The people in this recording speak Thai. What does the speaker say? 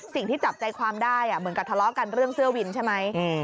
สิ่งที่จับใจความได้เหมือนกับทะเลาะกันเรื่องเสื้อวินใช่ไหม